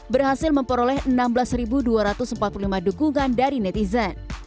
berhasil memperoleh enam belas dua ratus empat puluh lima dukungan dari netizen